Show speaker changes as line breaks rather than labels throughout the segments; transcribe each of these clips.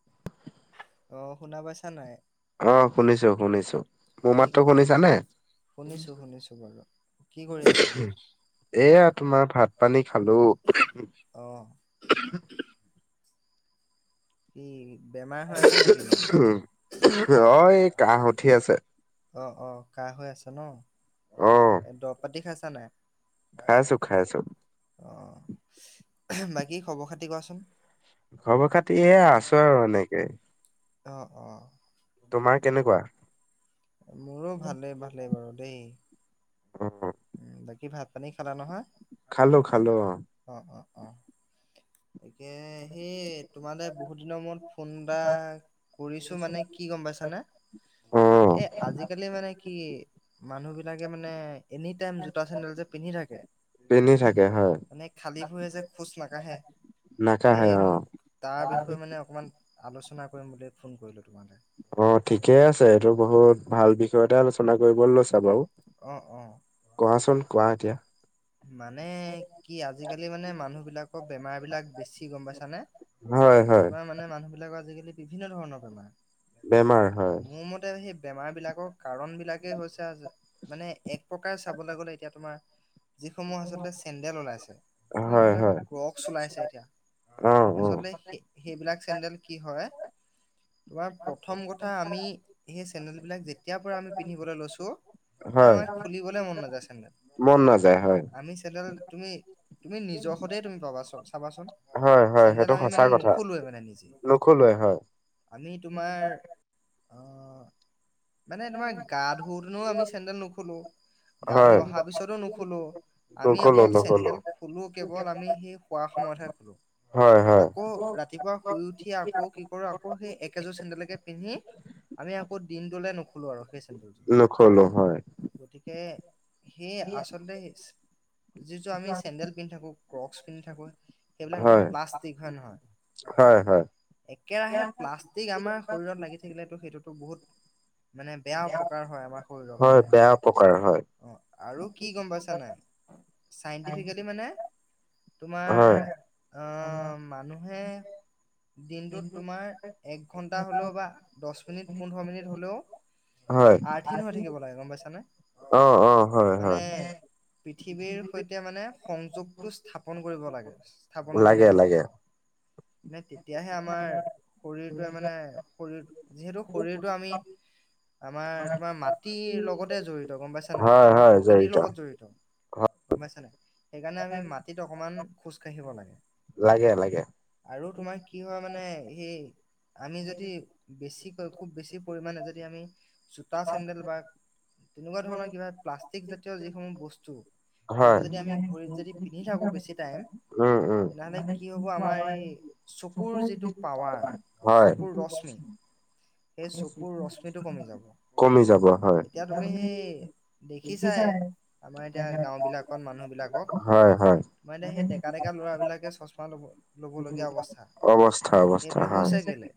[inaudible]
অ শুনা পাইছা নাই?
অ শুনিছো শুনিছো মোৰ
কি
মাত্ৰ শুনিছানে?
শুনিছো শুনিছো, বাৰু কি কৰি আছা?
এয়া তোমাৰ ভাত পানী খালো।
অ কি বেমাৰ হয় আছে নেকি এই কেইদিন?
অ এই কাহ উঠি আছে
অ', অ', কাহ হৈ আছে ন,
অ
দৰৱ পাতি খাইছ নাই? খাই আছোঁ।
খাইছো খাইছো
অ বাকী খবৰ খাতি কোৱাচোন?
খবৰ খাতি এ আছো আৰু এনেকেই।
অ', অ'।
তোমাৰ কেনেকুৱা।
মোৰো ভালেই ভালেই বাৰু দেই।
অ
উ বাকী ভাত পানী খালা নহয়।
খালো খালো অ
অ', অ', অ',। তাকে সেই তোমালে বহুত দিনৰ মূৰত ফোন এটা, কৰিছো মানে কি গম পাইছানে।
অ
এই আজিকালি মানে কি, মানুহবিলাকে মানে, এনি টাইম জোতা চেন্দেল যুৰে পিন্ধি থাকে
পিন্ধি থাকে হয়
মানে খালী ভুৰি এ যে খোজ মাকাহে
নাকাহে
সেই,
অ
তাৰ বিষয়ে মানে, অকমান আলোচনা কৰিম বুলি ফোন কৰিলো তোমালে।
অ ঠিকে আছে এইটো বহুত ভাল বিষয় এটা আলোচনা কৰিব লৈছা বাও।
অ অ
কোৱাচোন কোৱা এতিয়া।
মানে কি আজিকালি মানে মানুহ বিলাকৰ বেমাৰ বিলাক বেছি গম পাইছানে?
হয় হয়
তোমাৰ মানে মানুহবিলাকৰ আজিকালি বিভিন্ন ধৰণৰ বেমাৰ,
বেমাৰ হয়
মোৰ মতে সেই বেমাৰ বিলাকক কাৰণ বিলাকেই হৈছে মানে এক প্ৰকাৰে চাবলৈ গ'লে এতিয়া তোমাৰ যিসমূহ আচলতে চেণ্ডেল ওলাইছে, মানে
হয়
ধৰি লওঁক
হয়
ক্ৰছক ওলাইছে এতিয়া
অ অ
আচলতে সে সেইবিলাক চেন্দেল কি হয় তোমাৰ প্ৰথম কথা আমি সেই চেন্দেল বিলাক যেতিয়াৰ পৰা আমি পিন্ধিবলৈ লৈছোঁ, তাৰ
হয়
মানে খুলিবলৈ মন নাযায় চেন্দেল।
মন না
অ আমি চেন্দেল তুমি তুমি নিজৰ সতে তুমি পাবা চাবাচোন।
হয় হয়
চেন্দেল
সেইটো
আমি
সঁচা
মানে
কথা
নুখোলোৱে মানে নিজে,
নখলোৱাই হয়
আমি তোমাৰ অঁ মানে তোমাৰ গা ধুতেনু আমি চেন্দেল নুখোলো, গা
হয়
ধুই অহা পিছতো নুখ লো, আমি
নখলো
অকল
নখলো
চেন্দেল খোলো কেৱল আমি সেই খোৱাৰ সময়তহে খোলো।
হয় হয়।
আকৌ ৰাতিপুৱা শুই উঠি আকৌ কি কৰো, কিন্তু আকৌ সেই একেযোৰ চেন্দেলকে পিন্ধি আমি আকৌ দিনটোলে নুখো লো আৰু সেই চেণ্ডে
নোখোলো হয়।
গতিকে সেই আচলতে যিটো আমি চেণ্ডেল পিন্ধি থাকো ক্ৰকছ পিন্ধি থাকো, সেইবিলাকতো
হয়
প্লাষ্টিক হয় নহয়।
হয় হয়
একেৰাহে প্লাষ্টিক আমাৰ শৰীৰত লাগি থাকিলেতো সেইটোতো বহুত মানে বেয়া অপকাৰ হয় আমাৰ শৰীৰৰ
হয়
কাৰণে।
বেয়া প্ৰকাৰ হয়
অঁ আৰু কি গম পাইছা নাই চাইণ্টিফিকেলি মানে তোমাৰ
হয়
আঁহ মানুহে‌ দিনটোত তোমাৰ এক ঘণ্টা হ'লেও বা দশ মিনিট পোন্ধৰ মিনিট হ'লেও আৰ্ঠিন হৈ থাকিব লাগে গম পাইছানে।
অঁ অঁ হয়
মানে
হয়।
পৃথিৱীৰ সৈতে মানে সংযোগটো স্থাপন কৰিব লাগে, স্থাপন কৰি ৰাখিব লাগে। মানে তেতিয়াহে আমাৰ শৰীৰটোৱে মানে শৰীৰ যিহেতু শৰীৰটো আমি আমাৰ তোমাৰ মাটিৰ লগতে জড়িত গম পাইছা নাই,
হয়
আমাৰ
হয়
প্ৰ
জড়িত
জড়িত গম পাইছা নাই? সেইকাৰণে আমি মাটিত অকণমান খোজকাঢ়িব লাগে।
লাগে লাগে
আৰু তোমাৰ কি হয় মানে সেই আমি যদি বেছিকৈ খুব বেছি পৰিমাণে যদি আমি জোতা চেণ্ডেল বা তেনেকুৱা ধৰণৰ কিবা প্লাছ ক জাতীয় যিসমূহ বস্তু
হয়
সেইবোৰ যদি আমি ভৰিত যদি পিন্ধি থাকো বেছি টাইম
উম উম
তেনেহলে কি হব আমাৰ এই চকুৰ যিটো পাৱাৰ
হয়
চকুৰ ৰশ্মি, সেই চকুৰ ৰশ্মিটো কমি যাব।
কমি যাব হয়।
এতিয়া তুমি সেই দেখিছাই আমাৰ এতিয়া গাওঁ বিলাকত মানুহ বিলাকক।
হয় হয়
মানে সেই ডেকা ডেকা ল'ৰাবিলাকে চচমা লব লবগীয়া অৱস্থা
অৱস্থা অৱস্থা
সেইটো
হয়
হৈছে কেলে?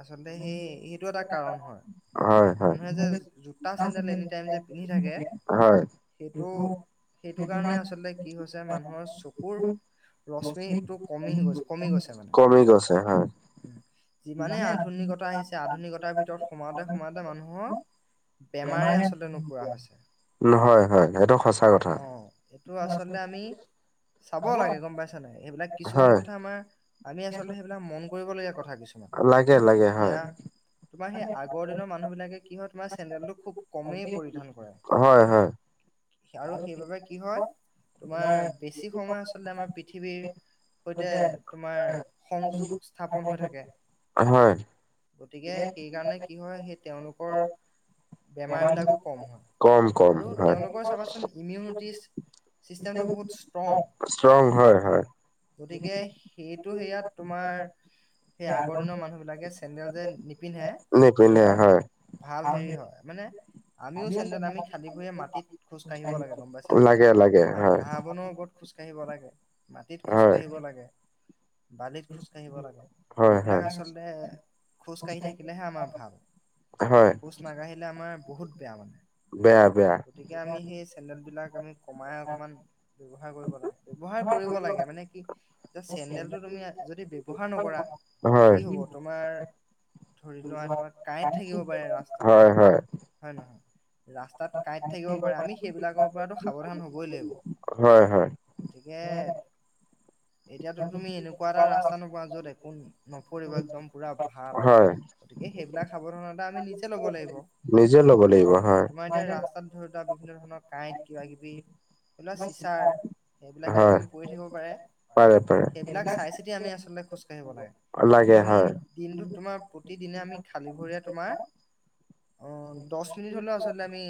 আচলতে সেই সেইটো এটা কাৰণ হয়। মানু নে যে জোতা চেন্দেল এনি টাইম যে পিন্ধি থাকে
হয়, সেইটো
সেইটো কাৰণে আচলতে কি হৈছে, মানুহৰ চকুৰ ৰশ্মিটো কমি গৈছে। কমি গৈছে মানে,
কমি গৈছে হয়
ওম, যিমানে আধু নিকতা আহিছে আধুনিকতাৰ ভিতৰত সোমাওঁতে সোমাওঁতে মানুহৰ বেমাৰে আচলতে নোপুৰা হৈছে
হয় হয় সেইটো সঁচা কথা
[unintelligible] অঁ এইটো আচলতে আমি চাব লাগে গ'ম পাইছা নাই, সেইবিলাক কিছুমান
হয়
কথা আমাৰ আমি আচলতে সেইবিলাক মন কৰিবলগীয়া কথা কিছুমান।
লাগে লাগে হয়।
এতিয়া তোমাৰ সে আগৰ দিনৰ মানুহ বিলাকে কি হয় তোমাৰ চেণ্ডেলটো খুব কমেই পৰিধান কৰে।
হয় হয়।
আৰু সেইবাবে কি হয়, তোমাৰ বেছি সময় আচলতে আমাৰ পৃথিৱীৰ সৈতে তোমাৰ সংযোগ স্থাপন হৈ থাকে।
হয়।
গতিকে সেইকাৰণে কি হয়, সেই তেওঁলোকৰ বেমাৰ বিলাকো কম হয়।
কম কম
আৰু
হয়
তেওঁলোকৰ চাবাচোন ইমিউনিটিচ চিষ্টেমটো বহুত ষ্ট্ৰং। ষ্ট্ৰং হয়, অঁ গতিকে সেইটো সেইয়াত তোমাৰ সেই আগৰ দিনৰ মানুহ বিলাকে চেন্দেল যে নিপিন্ধে সেইটো
নিপিন্ধে
এটা
হয়
ভাল হেৰি হয়। মানে আমিও চেণ্ডেল আমি খালী ভৰিয়ে মাটিত খোজ কাঢ়িব লাগে, গ'ম পাইছা নাই?
লাগে লাগে
[unintelligible] অঁ
হয়
ঘাঁ [unintelligible] বনৰ ওপৰত খোজ কাঢ়িব লাগে, মাটিত খোজ
হয়
কাঢ়িব লাগে। বালিত খোজ কাঢ়িব লাগে,
হয় হয়
এইবিলাক আচলতে খোজ কাঢ়ি থাকিলেহে আমাৰ ভাল।
হয়।
খোজ নাকাঢ়িলে আমাৰ বহুত বেয়া মানে, বেয়া গতিকে আমি সেই চেণ্ডেল বিলাক আমি কমাই অকমান ব্যৱহাৰ কৰিব লাগে, ব্যৱহাৰ কৰিব লাগে। মানে কি এতিয়া চেণ্ডেলটো তুমি যদি ব্যৱহাৰ নকৰা,
হয়
কি হ'ব তোমাৰ ধৰি লোৱা তোমাৰ কাঁইত থাকিব পাৰে ৰাস্তাত,
হয় হয়
হয় নহয়? ৰাস্তাত কাঁইট থাকিব পাৰে, আমি সেইবিলাকৰ পৰাটো সাৱধান হ'বই
হয় হয়
লাগিব। গতিকে এতিয়াতো তুমি এনেকুৱা এটা ৰাস্তা নপোৱা য'ত একো নপৰিব একদম পুৰা ভাল
হয়
আও। গতিকে, সেইবিলাক সাৱধানতা আমি নিজে ল'ব লাগিব।
নিজে ল'ব
অঁ
লাগিব হয়
আমাৰ এতিয়া ৰাস্তাত ধৰি লোৱা বিভিন্ন ধৰণৰ কাঁইট কিবা কিবি ধৰি লোৱা চিচাৰ, সেইবিলাক
হয়
কিবাকিবি পৰি থাকিব পাৰে।
পাৰে পাৰে
সেইবিলাক চাই চিতি আমি আচলতে খোজ কাঢ়িব লাগে, কিন্তু
লাগে
আমি
হয়
দিনটোত তোমাৰ প্ৰতিদিনে আমি খালী ভৰিৰে তোমাৰ অঁ দচ মিনিট হ'লেও আছ তে আমি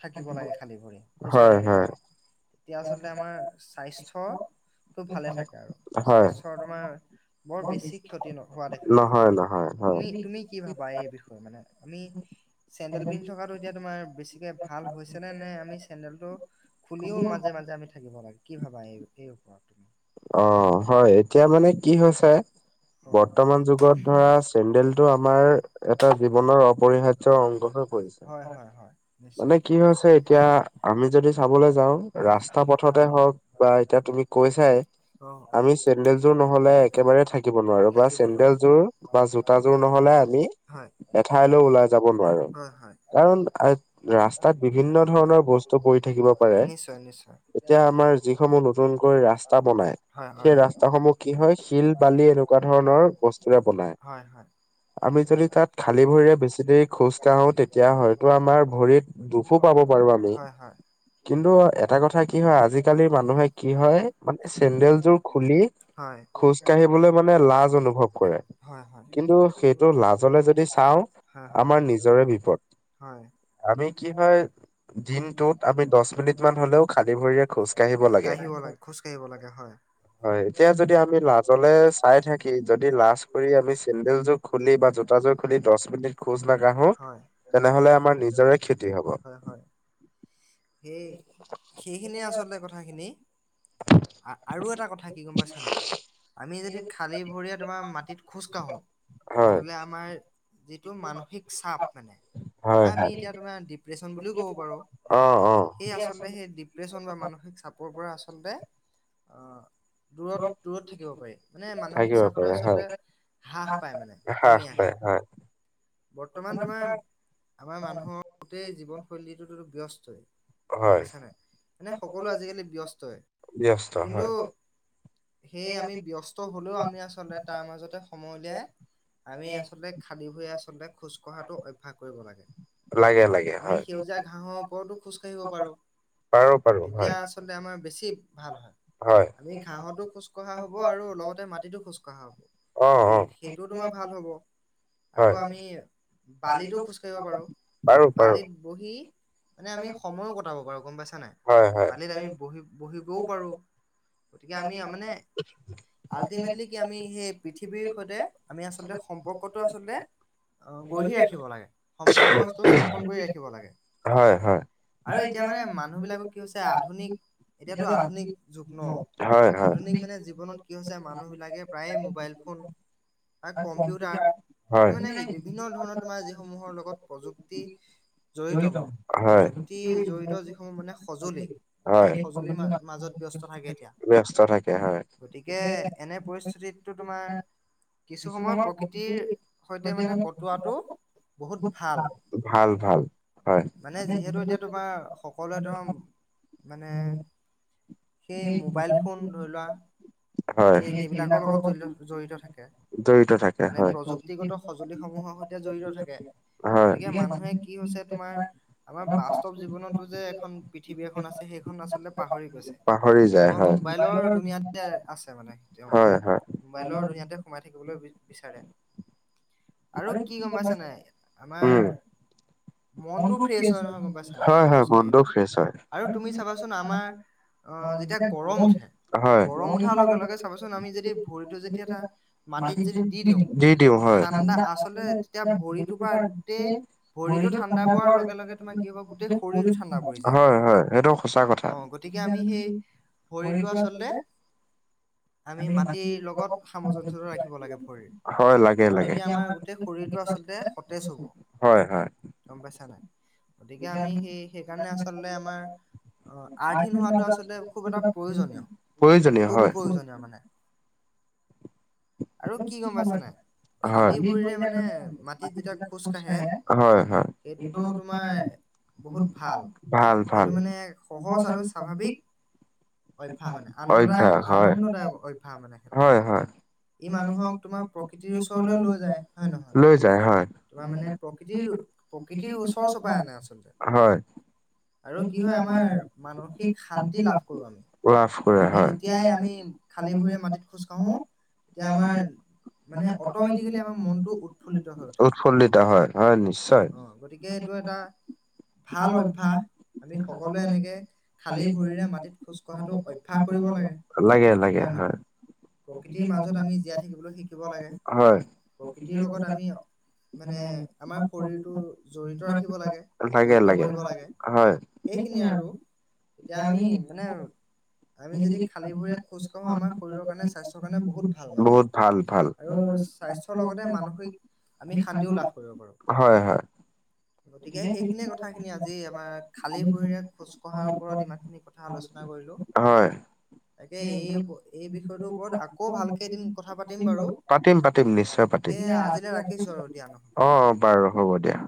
থাকিব লাগে খালী ভৰি, খোজ
হয়
কাঢ়িব
হয়
লাগে। তেতিয়া আচলতে আমাৰ স্বাস্থ্য টো ভালে থাকে আৰু
হয়
স্বাস্থ্যৰ তোমাৰ বৰ বেছি ক্ষতি ন' হোৱা দেখা নাযায়,
নহয় নহয় হয়
তুমি তুমি কি ভাবা এই বিষয়ে মানে আমি চেন্দেল পিন্ধ থকাটো এ তোমাৰ বেছিকে ভাল হৈছে নে, নে আমি চেন্দলটো খুলিও মাজে মাজে আমি থাকিব লাগে, কি ভাবা এই এই ওপৰত
অঁ হয় এতিয়া মানে কি হৈছে
হয়
বৰ্তমান যুগত ধৰা চেণ্ডেলটো আমাৰ এটা জীৱনৰ অপৰিহা য্ অংগ হৈ পৰিছে।
হয় হয় হয় নিশ্চয়।
মানে কি হৈছে এতিয়া, আমি যদি চাবলৈ যাও ৰাস্তা পথতে
হয়
হওক বা এতিয়া তুমি কৈছাই।
অ', [inaudible]
আমি চেন্দেলযোৰ নহলে একেবাৰে থাকিব নোৱাৰো বা
থাকিব [unintelligible]
চেন্দেলযোৰ বা জোতাযোৰ নহলে আমি
হয়, [inaudible]
এঠাইলৈ ওলাই যাব নোৱাৰো
হয়, হয়।
কাৰণ [unintelligible] ৰাস্তাত বিভিন্ন ধৰণৰ বস্তু পৰি থাকিব পাৰে।
নিশ্চয় নিশ্চয়।
এতিয়া আমাৰ যিসমূহ নতুনকৈ ৰাস তা বনায়,
হয় হয়।
সেই ৰাস্তাসমূহ কি হয় শিল বালি এনেকুৱা ধৰণৰ বস্তুৰে বনায়।
হয় হয়।
আমি যদি তাত খালী ভৰিৰে বেছি দেৰি খোজকাঢ়ো তেত তিয়া হয়তো আমাৰ ভৰিত দুখো পাব পাৰোঁ আমি।
হয়
কিন্তু এটা কথা কি হয়, আজিকালিৰ মানুহে কি হয় মানে চেন্দেলযোৰ খুলি,
হয়
খোজ কাঢ়িবলৈ মানে লাজ অনুভৱ কৰে।
হয়, হয় [unintelligible]
কিন্তু
হয়,
সেইটো লাজলে যদি চাওঁ
হয়
আমাৰ
[unintelligible]
নিজৰে বিপদ আমি কি
হয়। [inaudible]
দিনটোত আমি দহ মিনিট মান হলেও খালী ভৰিৰে খোজ
কাঢ়িব লাগে, খোজ কাঢ়িব লাগে হয়।
হয়, এতিয়া যদি আমি লাজলে চাই থাকি যদি লাজ কৰি আমি চেন্দেল যোৰ খুলি বা জোতা জোৰ খুলি দশ মিনিট খোজ নাকাঢ়ো তেনেহলে আমাৰ নিজৰে ক্ষতি হব
[inaudible] হয়, হয়। সেই, সেইখিনিয়ে আচলতে কথাখিনি। আ-আৰু এটা কথা কি গম পাইছ নাই? আমি যদি খালী ভৰিয়ে তোমাৰ মাটিত খোজ কাঢ়ো,
হয়
তেনেহলে আমাৰ যিটো মানসিক চাপ মানে। বা
হয়
আমি
হয়
এতিয়া তোমাৰ ডিপ্ৰেচন বুলিও ক'ব
অ
পাৰোঁ
অ
[inaudible] সেই আচলতে সেই ডিপ দিপ্ৰেচন বা মানসিক চাপৰ পৰা আচলতে, আ দূৰত দূৰত থাকিব পাৰি। মানে মানসিক
থাকিব
চাপটো
পাৰে হয়
আচলতে হ্ৰাস পায় মানে
হ্ৰাস
কমি
পায়
আহে।
হয়
বৰ্তমান তোমাৰ আমাৰ মানুহৰ গোটেই জীৱনশৈলীটোতো ব্যস্তই। গম
হয়
পাইছা নাই? মানে সকলো আজিকালি ব্যস্তই।
ব্যস্ত
কিন্তু
হয়
সেয়ে আমি ব্যস্ত হলেও আমি আচলতে তাৰ মাজতে সময় উলিয়াই আমি আচলতে খালী ভৰিৰে আচলতে খোজকঢ়াটো অভ্যাস কৰিব লাগে।
লাগে লাগে
আমি
হয়
সেউজীয়া ঘাঁহৰ ওপৰতো খোজকাঢ়িব পাৰোঁ।
পাৰো পাৰো
তেতিয়া
হয়
আচলতে আমাৰ বেছি ভাল হয়। আমি ঘাহঁতো খোজ খোজকঢ়া হ'ব আৰু লগতে মাটিটো খোজকঢ়া
অ
হ'ব।
অ
সে-সেইটোও তোমাৰ ভাল হ'ব।
হয়
আকৌ আমি বালিতো খোজকাঢ়িব পাৰোঁ।
পাৰো পাৰো
বালিত বহি মানে আমি সময়ো কটাব পাৰো গম পাইছা নাই?
হয় হয়
বালিত আমি বহি বহিবও পাৰোঁ। গতিকে আমি মানে আল্টিমেটলি কি আমি সেই পৃথিৱীৰ সৈতে, আমি আচলতে সম্পৰ্কটো আচলতে অ', গঢ়ি ৰাখিব লাগে। সম্পৰ্কটো স্থাপন কৰি ৰাখিব লাগে।
হয় হয়
আৰু এতিয়া মানে মানুহবিলাকৰ কি হৈছে আধুনিক, এতিয়াতো আধুনিক যুগ ন?
হয় হয়
আধুনিক মানে জীৱনত কি হৈছে, মানুহ বিলাকে প্ৰায়ে মোবাইল ফোন বা কম্পিউটাৰ আৰু
হয়
মানে বিভিন্ন ধৰণৰ তোমাৰ যিসমূহৰ লগত প্ৰযুক্তি জড়িত মানে,
হয়
প্ৰযুক্তি জড়িত যিসমূহ মানে সঁজুলি।
হয়
সেই সজুলিৰ মা-মাজত ব্যস্ত থাকে।
ব্যস্ত থাকে হয়
গতিকে এনে পৰিস্থিতিতটো তোমাৰ কিছু সময় প্ৰকৃতিৰ সৈতে মানে কটোৱাটো বহুত ভাল।
ভাল ভাল হয়
মানে যিহেতু এতিয়া তোমাৰ সকলোৱে তোমাৰ মানে সেই মোবাইল ফোন ধৰি লোৱা।
হয়
সেই, সেইবিলাকৰ লগত জল-জড়িত থাকে,
জড়িত থাকে
মানে প্ৰযুক্তি গত
হয়
সঁজুলিসমূহৰ সৈতে জড়িত থাকে,
হয়।
গতিকে মানুহে কি হৈছে তোমাৰ আমাৰ বাস্তৱ জীৱনতো যে এখন পৃথিৱী এখন আছে, সেইখন আচলতে পাহৰি গৈছে।
পাহৰি যায়,
কেৱল
হয়।
মোবাইলৰ দুুনীয়াতে আছে মানে তেওঁলোক,
হয় হয়
মোবাইলৰ দুুনীয়াতে সোমাই থাকিবলৈ বি-বিচাৰে। আৰু কি গম পাইছানে আমাৰ
উম
মনতটো ফ্ৰেছ হয় নহয় গম পাইছা নাই
হয় হয়
খোজ
মনটো
কাঢ়িলে
ফ্ৰেছ হয়
আৰু তুমি চাবাচোন আমাৰ আ, যেতিয়া গৰম উঠে,
হয়।
গৰম উঠাৰ লগে লগে চাবচোন আমি যদি ভৰিটো যেতিয়া এটা মাটিত যদি দি দিওঁ, দি দিওঁ। ঠাণ্ডা আচলতে তেতিয়া ভৰিটো বা, গোটেই ভৰিটো ঠাণ্ডা পোৱাৰ লগে লগে তোমাৰ কি হ'ব গোটেই শৰীৰো ঠাণ্ডা পৰি যায়।
হয় হয় সেইটো সঁচা কথা।
অ' গতিকে আমি সেই ভৰিটো আচলতে আমি মাটিৰ লগত সামঞ্জস্যটো ৰাখিব লাগে ভৰিৰ।
হয় লাগে
আৰু
লাগে।
তেতিয়া আমাৰ গোটেই শৰীৰটো আচলতে সতেজ হ'ব,
হয় হয়
গম পাইছা নাই? গতিকে আমি সেই, সেইকাৰণে আচলতে আমাৰ অ' আৰ্থিন হোৱাটো আচলতে খুব এটা প্ৰয়োজনীয়,
প্ৰয়োজনীয়
খুব
হয়।
প্ৰয়োজনীয় মানে। আৰু কি গম পাইছ নাই?
হয়
খালী ভৰিৰে মানে মাটিত যেতিয়া খোজ কাঢ়ে
হয় হয়
সেইটো তোমাৰ বহুত ভাল,
ভাল ভাল।
সেইটো মানে সহজ আৰু স্বাভাৱিক অভ্যয়াস মানে, আনন্দদায়ক,
অভ্যাস হয়
আনন্দদায়ক অভ্যাস মানে সেইটো। ই
মানুহক
তোমাৰ
মই
প্ৰকৃতিৰ ওচৰলৈ লৈ যায় হয় নহয়
[unintelligible] লৈ যায় হয়। [unintelligible]
তোমাৰ মানে প্ৰকৃতিৰ প্ৰকৃতিৰ ওচৰ চপাই আনে আচলতে
হয়। আৰু কি হয় আমাৰ মানিক শান্তি লাভ [unintelligible] লাভ কৰে,
আমি
হয়
যেতিয়াই আমি
[unintelligible]
এতিয়া আমাৰ মানে অট'মেটিকেলি আমাৰ মনটো উৎফুল্লিত হৈ উঠে।
উৎফুল্লিতা হয় হয় নিশ্চয়
অ' গতি কে এইটো এটা
ভাল অভ্যাস।
আমি সকলোৱে এনেকে খালী ভৰিৰে মাটিত খোজ কঢ়াটো অভ্যাস কৰিব
[unintelligible]
লাগে
লাগে লাগে, হয়।
প্ৰকৃতিৰ মাজত আমি জীয়াই থাকিবলৈ শিকিব লাগে।
হয়
প্ৰকৃতিৰ লগত আমি মানে আমাৰ শৰীৰটো জড়িত ৰাখিব লাগে, জড়িত কৰিব লাগে।
হয়
সেইখিনিয়ে আৰু, তেতিয়া আমি মানে আমি যদি খালী ভৰিৰে খোজ কাঢ়ো আমাৰ শৰীৰৰ কাৰণে, স্বাস্থ্যৰ কাৰণে বহুত ভাল মানে।
বহুত ভাল ভাল
আৰু স্বাস্থ্যৰ লগতে মানসিক আমি শান্তিও লাভ কৰিব পাৰোঁ।
হয় হয়
গতিকে সেইখিনিয়ে কথাখিনি, আজি আমাৰ খালী ভৰিৰে খোজ কঢ়াৰ ওপৰত ইমানখিনি কথা আলোচনা কৰিলো।
হয়
তাকে এই, এই বিষয়টোৰ ওপৰত আকৌ ভালকে কেইদিন কথা পাতিম বাৰু,
পাতিম পাতিম
অ'
নিশ্চয় পাতিম
তাকে আজিলে ৰাখিছোঁ আৰু দিয়া নহ'লে।
অ বাৰু হ'ব দিয়া।